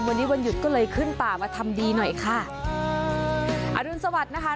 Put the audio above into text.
วันนี้วันหยุดก็เลยขึ้นป่ามาทำดีหน่อยค่ะอรุณสวัสดิ์นะคะ